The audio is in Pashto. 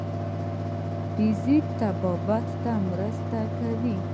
فزیک طبابت ته مرسته کوي.